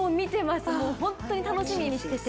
本当に楽しみにしてて。